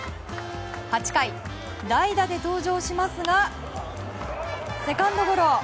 ８回、代打で登場しますがセカンドゴロ。